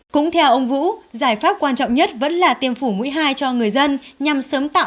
cũng theo ông vũ giải pháp quan trọng nhất vẫn là tiêm phủ mũi hai cho người dân nhằm sớm tạo